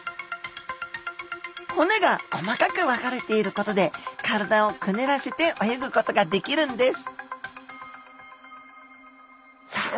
骨が細かく分かれていることで体をくねらせて泳ぐことができるんですさあ